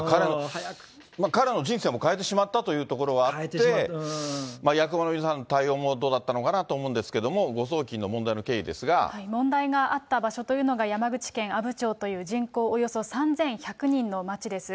彼の人生も変えてしまったというところはあって、役場の皆さんの対応もどうだったのかなと思うんですけれども、誤問題があった場所というのが、山口県阿武町という人口およそ３１００人の町です。